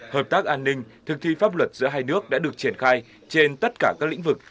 hợp tác an ninh thực thi pháp luật giữa hai nước đã được triển khai trên tất cả các lĩnh vực